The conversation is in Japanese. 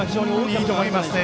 いいと思いますね。